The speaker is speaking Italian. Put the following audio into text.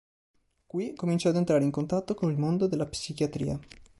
Qui, cominciò ad entrare in contatto con il mondo della psichiatria.